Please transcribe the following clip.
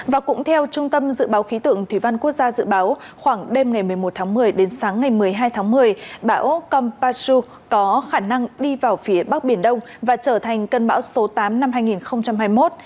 và cũng theo trung tâm dự báo khí tượng thủy văn quốc gia dự báo khoảng đêm ngày một mươi một tháng một mươi đến sáng ngày một mươi hai tháng một mươi bão kampasu có khả năng đi vào phía bắc biển đông và trở thành cơn bão số tám năm hai nghìn hai mươi một